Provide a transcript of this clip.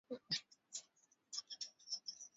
Tuko na nguo nzuri sana